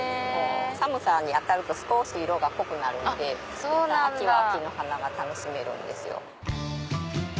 寒さに当たると少し色が濃くなるので秋は秋の花が楽しめるんですよ。